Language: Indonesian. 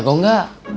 ya gue enggak